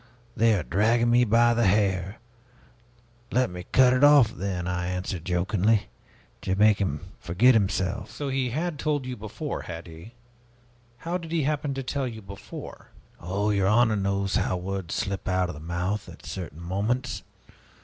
They are dragging me by the hair!' 'Let me cut it off, then!' I answered jokingly, to make him forget himself." "So, he had told you before, had he? How did he happen to tell you before?" "Oh, your honor knows how words slip out of the mouth at certain moments.